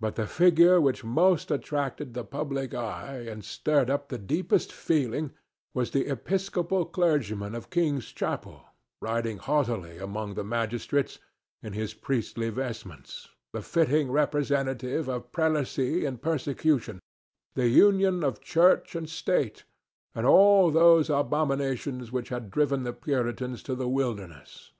But the figure which most attracted the public eye and stirred up the deepest feeling was the Episcopal clergyman of King's Chapel riding haughtily among the magistrates in his priestly vestments, the fitting representative of prelacy and persecution, the union of Church and State, and all those abominations which had driven the Puritans to the wilderness.